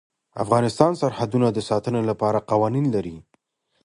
افغانستان د سرحدونه د ساتنې لپاره قوانین لري.